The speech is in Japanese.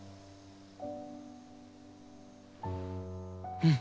うん。